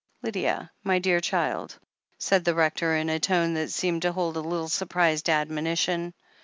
"Lydia, my dear child," said the Rector, in a tone that seemed to hold a' little surprised admonition.